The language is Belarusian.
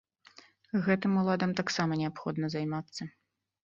Гэтым уладам таксама неабходна займацца.